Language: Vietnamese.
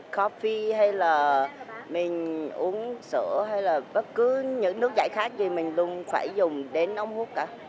copy hay là mình uống sữa hay là bất cứ những nước giải khác gì mình luôn phải dùng đến ống hút cả